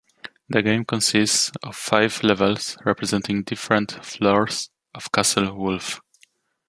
The game consists of five levels representing different floors of Castle Wulf.